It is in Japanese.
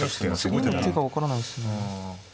次でも手が分からないですね。